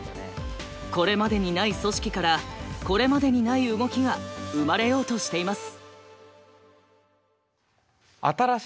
これまでにない組織からこれまでにない動きが生まれようとしています。